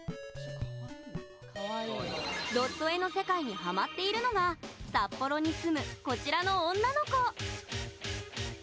ドット絵の世界にハマっているのが札幌に住む、こちらの女の子。